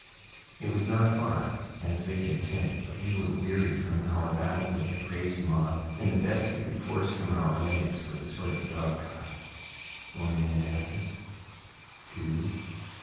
It was not far, as Vic had said, but we were weary from our battle with the crazed mob, and the best we could force from our legs was a sort of dog trot. One minute after ... two....